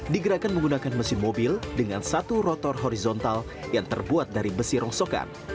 digerakkan menggunakan mesin mobil dengan satu rotor horizontal yang terbuat dari besi rongsokan